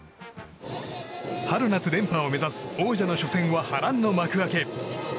春夏連覇を目指す王者の初戦は波乱の幕開け。